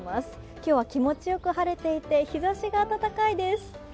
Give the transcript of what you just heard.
今日は気持ちよく晴れていて、日ざしが暖かいです。